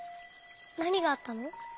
なにがあったの？